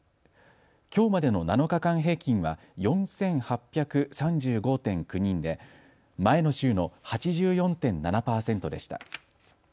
きょうまでの７日間平均は４８３５．９人で前の週の８４．７％でした。